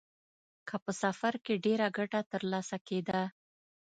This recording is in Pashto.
که په سفر کې ډېره ګټه ترلاسه کېده.